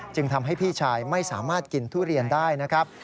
จึงทำให้พี่ชายไม่สามารถกินทุเรียนได้นะครับ